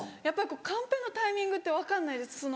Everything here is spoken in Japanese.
やっぱりカンペのタイミングって分かんないです。